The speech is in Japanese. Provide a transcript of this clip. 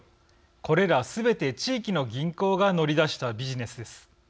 これらすべて地域の銀行が乗り出したビジネスです。